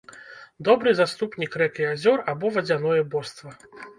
Добры заступнік рэк і азёр або вадзяное боства.